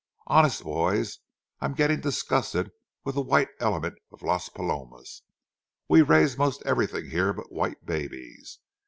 Honest, boys, I'm getting disgusted with the white element of Las Palomas. We raise most everything here but white babies.